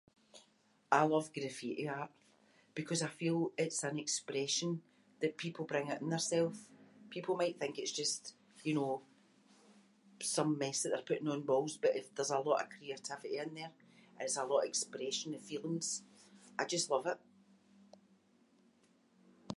I love graffiti art because I feel it’s an expression that people bring oot in theirself. People might think it’s just, you know, some mess that they’re putting on walls but if there’s a lot of creativity in there, it’s a lot of expression, the feelings. I just love it.